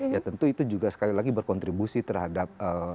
ya tentu itu juga sekali lagi berkontribusi terhadap